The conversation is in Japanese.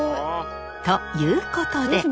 ということで！